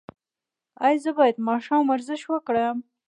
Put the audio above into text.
ایا زه باید ماښام ورزش وکړم؟